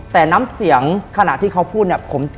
แต่น้ำเสียงขณะที่เขาพูดเนี่ย